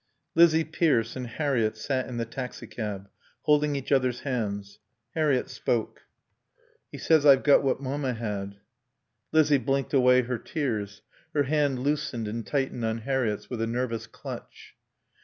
Lizzie Pierce and Harriett sat in the taxicab, holding each other's hands. Harriett spoke. "He says I've got what Mamma had." Lizzie blinked away her tears; her hand loosened and tightened on Harriett's with a nervous clutch.